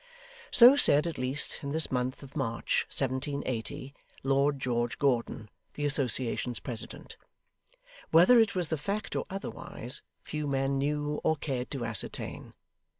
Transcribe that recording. So said, at least, in this month of March, 1780, Lord George Gordon, the Association's president. Whether it was the fact or otherwise, few men knew or cared to ascertain.